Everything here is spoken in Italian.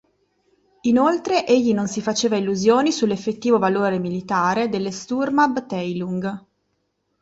Inoltre, egli non si faceva illusioni sull'effettivo valore militare delle "Sturmabteilung".